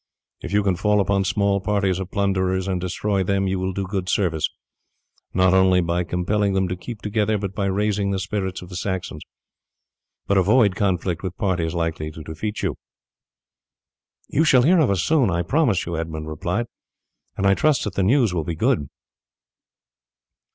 If you can fall upon small parties of plunderers and destroy them you will do good service, not only by compelling them to keep together but by raising the spirits of the Saxons; but avoid conflict with parties likely to defeat you." "You shall hear of us soon, I promise you," Edmund replied, "and I trust that the news will be good."